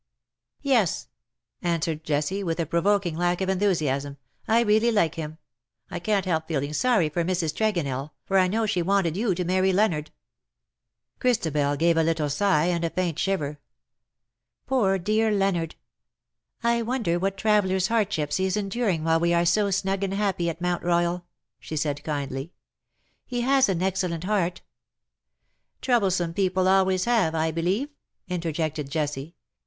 " Yes/ ' answered Jessie, with a provoking lack of enthusiasm. '^ I really like him. I can't help feeling sorry for Mrs. Tregonell, for I know she •wanted you to marry Leonard." Christabel gave a little sigh, and a faint shiver. " Poor dear Leonard ! I wonder what traveller's hardships he is enduring while we are so snug and "tintagel^ half in sea, and half on land." 99 happy at Mount Royal ?'' she said, kindly. " He has an excellent heart '''" Troublesome people always have_, I believe/'' interjected Jessie.